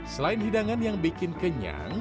selain hidangan yang bikin kenyang